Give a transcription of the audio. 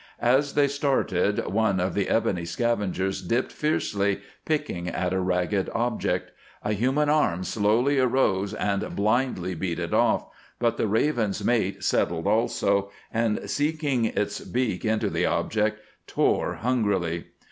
As they started, one of the ebony scavengers dipped fiercely, picking at a ragged object. A human arm slowly arose and blindly beat it off, but the raven's mate settled also, and, sinking its beak into the object, tore hungrily.